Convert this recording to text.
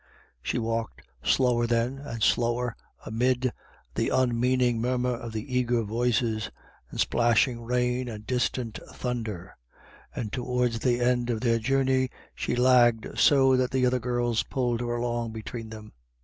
She walked slower then and slower amid the unmean ing murmur of eager voices, and splashing rain and distant thunder, and towards the end of their journey she lagged so that the other girls pulled her along between them.